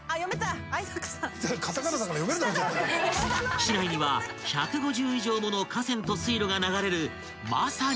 ［市内には１５０以上もの河川と水路が流れるまさに］